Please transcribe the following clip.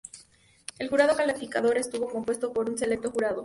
El jurado calificador estuvo compuesto por un selecto jurado.